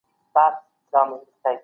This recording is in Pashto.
اټکل وکړئ.